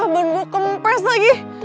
ban gue kempes lagi